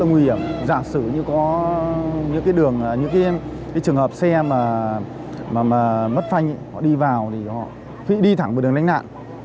giả sử như có những cái đường những cái trường hợp xe mà mất phanh họ đi vào thì họ đi thẳng vào đường lánh nạn